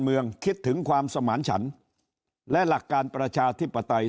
คิดถึงความสมานฉันและหลักการประชาธิปไตย